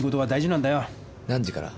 何時から？